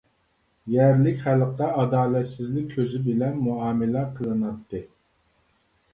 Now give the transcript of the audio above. يەرلىك خەلققە ئادالەتسىزلىك كۆزى بىلەن مۇئامىلە قىلىناتتى.